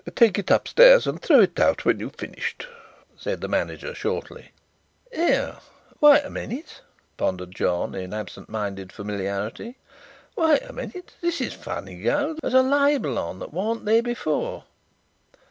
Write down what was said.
"Take it upstairs and throw it out when you've finished," said the manager shortly. "Here, wait a minute," pondered John, in absent minded familiarity. "Wait a minute. This is a funny go. There's a label on that wasn't here before.